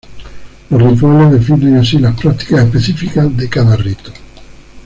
Los rituales definen así las prácticas específicas de cada Rito.